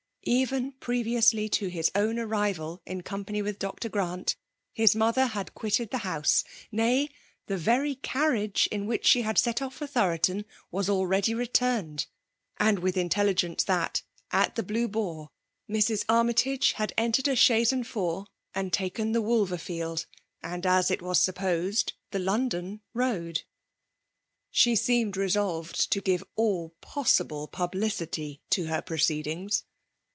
EveiQi pteviously to his own arrival in company with Dr. Grant, his mother had quitt^ the houses nay, the very carriage in which she had set off for Thoroton was already returned ; an4 ttith intelligence t3mt, at the Blue Boar, Mrs. Army tage had entered a chaise and four, and taken the Wolverfield, and, as it was sup posed, the London road. She seemed re solved to give all possible publicity to her proceedings.